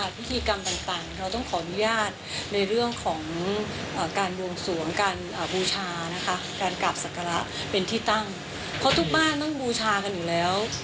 เพราะทุกบ้านต้องบูชากันอยู่แล้ว